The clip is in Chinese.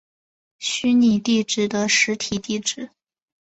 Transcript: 虚拟地址的实体地址。